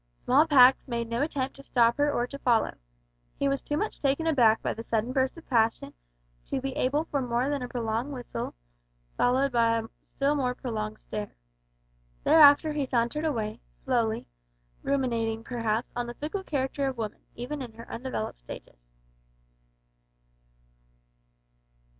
Small Pax made no attempt to stop her or to follow. He was too much taken aback by the sudden burst of passion to be able for more than a prolonged whistle, followed by a still more prolonged stare. Thereafter he sauntered away slowly, ruminating, perhaps, on the fickle character of woman, even in her undeveloped stages.